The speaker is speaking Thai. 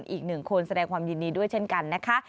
อีกหนึ่งคนแสดงความยินดีด้วยเช่นกันนะคะ